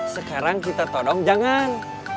sekarang kita tolong jangan